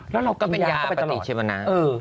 แล้วเราก็เป็นยาปฏิชีวนะ